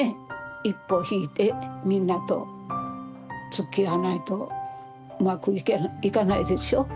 一歩引いてみんなとつきあわないとうまくいかないでしょ。